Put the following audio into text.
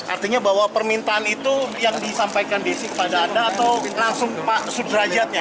artinya bahwa permintaan itu yang disampaikan di sini kepada anda atau langsung pak sudrajatnya